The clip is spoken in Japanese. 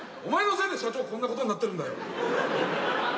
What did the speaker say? お前のせいで社長こんなことになってるんだよ。